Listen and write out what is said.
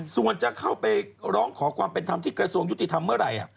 ส่วนจะเข้าไปร้องขอความเป็นธรรมที่กระทรวงยุติธรรมเมื่อไหร่